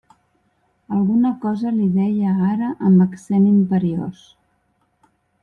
Alguna cosa li deia ara amb accent imperiós.